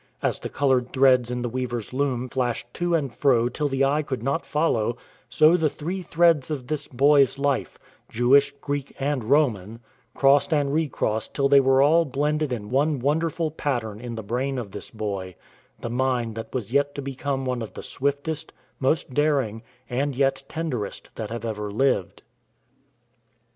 As the coloured threads in the weaver's loom flashed to and fro till the eye could not follow, so the three threads of this boy's life — Jewish, Greek, and Roman — crossed and re crossed till they were all blended in one wonderful pattern in the brain of this boy — the mind that was to become one of the swiftest, most daring, and yet tenderest that have ever lived.